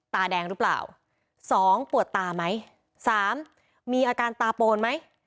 ตาแดงหรือเปล่าสองปวดตาไหมสามมีอาการตาโปนไหม